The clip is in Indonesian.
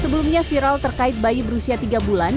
sebelumnya viral terkait bayi berusia tiga bulan